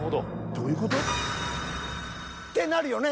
どういう事？ってなるよね。